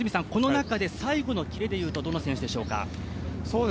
この中で最後でいうと、どの選手でしょうか？